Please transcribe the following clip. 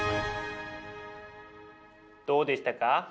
どうでしたか？